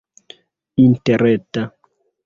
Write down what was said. interreta